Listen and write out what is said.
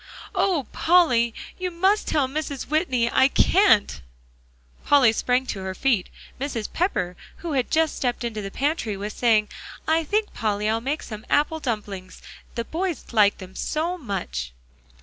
"Oh, Polly! you must tell Mrs. Whitney I can't." Polly sprang to her feet; Mrs. Pepper, who had just stepped into the pantry, was saying, "I think, Polly, I'll make some apple dumplings, the boys like them so much."